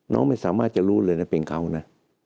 น้องไม่สามารถจะรู้เลยนะเป็นเขานะ